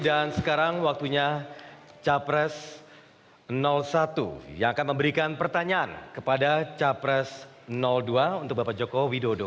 dan sekarang waktunya capres satu yang akan memberikan pertanyaan kepada capres dua untuk bapak joko widodo